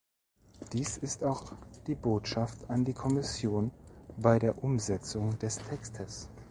Dies ist auch die Botschaft an die Kommission bei der Umsetzung des Textes.